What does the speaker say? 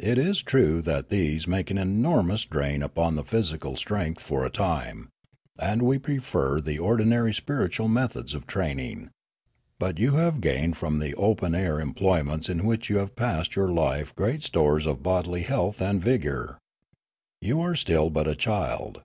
It is true that these make an enormous drain upon the physical strength for a time ; and we prefer the ordinary spiritual methods of training. But you have gained from the open air employments in which you have passed your life great stores of bodily health and vigour. You are still but a child.